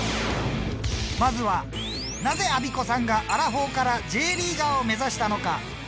まずはなぜアビコさんがアラフォーからＪリーガーを目指したのか。